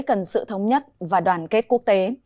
cần sự thống nhất và đoàn kết quốc tế